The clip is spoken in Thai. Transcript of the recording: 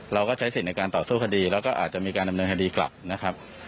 เราก็ใช้สิทธิ์ในการต่อสู้คดีแล้วก็อาจจะมีการดำเนินคดีกลับนะครับ